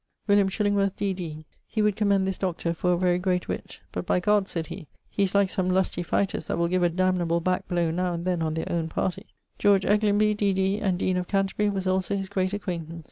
William Chillingworth, D.D. he would commend this doctor for a very great witt; 'But by G ' said he, 'he is like some lusty fighters that will give a damnable back blow now and then on their owne party.' George Eglionby, D.D. and deane of Canterbury, was also his great acquaintance.